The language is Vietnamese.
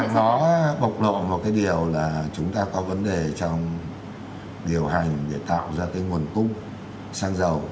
nó bộc lộ một cái điều là chúng ta có vấn đề trong điều hành để tạo ra cái nguồn cung xăng dầu